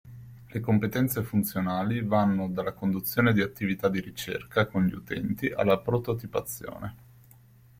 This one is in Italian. Le competenze funzionali vanno dalla conduzione di attività di ricerca con gli utenti alla prototipazione.